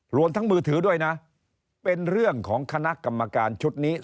รวมทั้งมือถือด้วยนะเป็นเรื่องของคณะกรรมการชุดนี้